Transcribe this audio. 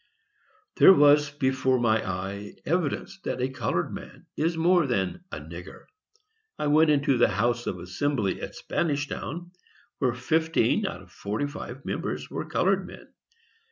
There was before my eye evidence that a colored man is more than "a nigger." I went into the House of Assembly at Spanishtown, where fifteen out of forty five members were colored men.